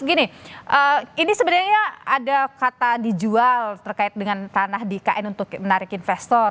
gini ini sebenarnya ada kata dijual terkait dengan tanah di kn untuk menarik investor